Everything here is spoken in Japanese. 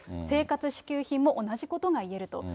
生活支給品も同じことが言えると。